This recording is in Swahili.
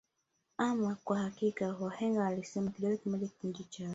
Ama kwa hakika wahenga walisema kidole kimoja akivunji chawa